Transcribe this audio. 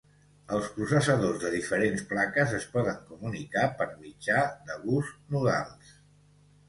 Els processadors de diferents plaques es poden comunicar per mitjà de bus nodals.